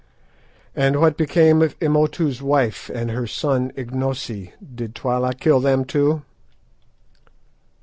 '" "And what became of Imotu's wife and her son Ignosi? Did Twala kill them too?"